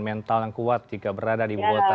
mental yang kuat jika berada di ibu kota